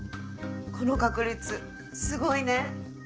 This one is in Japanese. この確率すごいね。